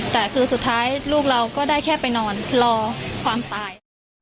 แต่คือสุดท้ายลูกเราก็ได้แค่ไปนอนรอความตาย